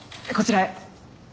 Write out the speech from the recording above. こちらへ。